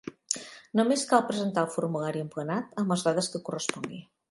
Només cal presentar el formulari emplenat amb les dades que correspongui.